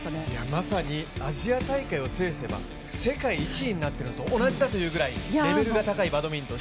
まさにアジア大会を制すれば世界１位になっているのと同じくらいレベルの高いバドミントン。